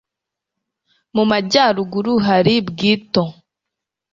Mu majyaruguru, hari Bwito,